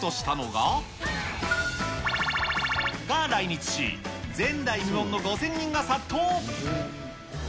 ×××が来日し、前代未聞の５０００人が殺到。